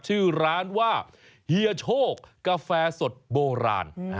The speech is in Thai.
ชื่อร้านว่าเฮียโชคกาแฟสดโบราณ